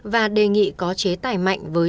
và đề nghị có chế tài mạnh với